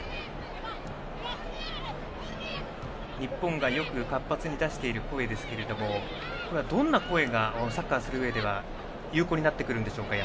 日本がよく活発に出している声ですがこれは、どんな声がサッカーするうえでは有効になってくるんでしょうか。